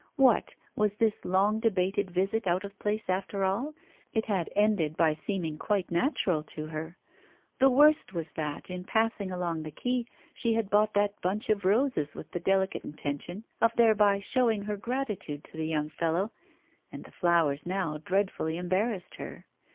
What! was this long debated visit out of place after all? It had ended by seeming quite natural to her. The worst was that, in passing along the quay, she had bought that bunch of roses with the delicate intention of thereby showing her gratitude to the young fellow, and the flowers now dreadfully embarrassed her.